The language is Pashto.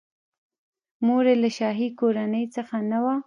مور یې له شاهي کورنۍ څخه نه وه.